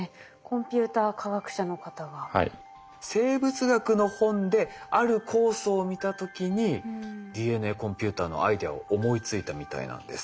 生物学の本である酵素を見た時にＤＮＡコンピューターのアイデアを思いついたみたいなんです。